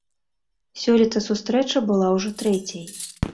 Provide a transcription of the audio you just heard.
Сёлета сустрэча была ўжо трэцяй.